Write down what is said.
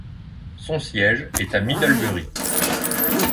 Son siège est à Middlebury.